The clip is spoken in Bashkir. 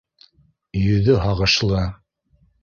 Йөҙө һағышлы